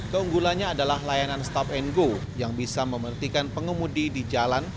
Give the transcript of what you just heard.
keunggulannya adalah layanan stop and go yang bisa memertikan pengemudi di jalan